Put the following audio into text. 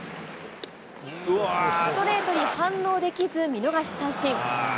ストレートに反応できず、見逃し三振。